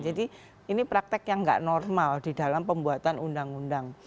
jadi ini praktek yang nggak normal di dalam pembuatan undang undang